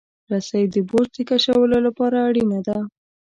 رسۍ د بوج د کشولو لپاره اړینه ده.